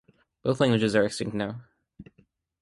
Both languages are now extinct.